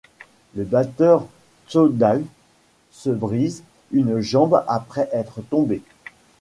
Le batteur Tjodalv se brise une jambe après être tombé.